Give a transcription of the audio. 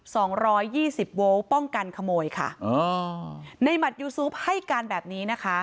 สองร้อยยี่สิบโวลต์ป้องกันขโมยค่ะอ๋อในหัดยูซูฟให้การแบบนี้นะคะ